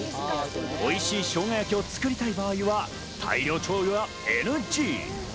おいしい生姜焼きを作りたい場合は大量調理はＮＧ。